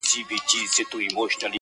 كوم اورنګ به خپل زخمونه ويني ژاړې٫